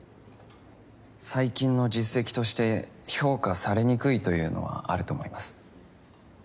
最近の実績として評価されにくいというのはあると思います。